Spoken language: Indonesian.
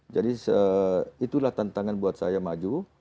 jadi itulah tantangan buat saya maju